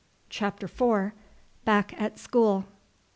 CHAPTER IV. BACK AT SCHOOL.